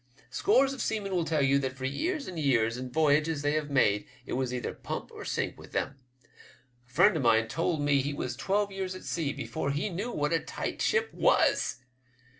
Scores of seamen will tell you that for years and years, in voyages they have made, it was either pump or sink with them. A friend of mine told me he was twelve years at sea before he knew what a tight ship was.